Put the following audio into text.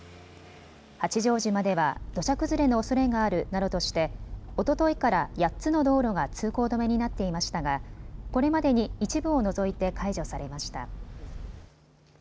八丈島では土砂崩れのおそれがあるなどとしておとといから８つの道路が通行止めになっていましたがこれまでに一部を除いて解除されました。